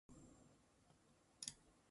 长按复制以下链接